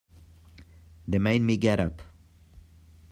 They made me get up.